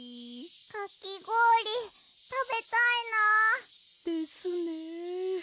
かきごおりたべたいな。ですね。